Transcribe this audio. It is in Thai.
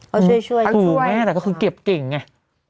เขาช่วยช่วยสูงแม่แหละเขาคือเก็บเก่งไง